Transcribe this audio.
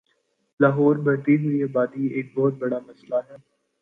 لاہور بڑھتی ہوئی آبادی ایک بہت بڑا مسلہ ہے